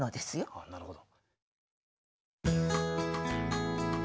あっなるほど。